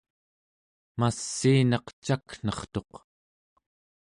massiinaq caknertuq